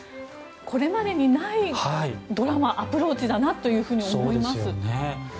これまでにないドラマアプローチだなと思います。